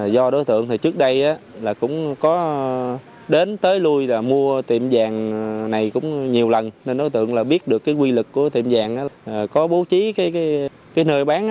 do đối tượng trước đây cũng có đến tới lui mua tiệm vàng này cũng nhiều lần nên đối tượng biết được quy lực của tiệm vàng có bố trí nơi bán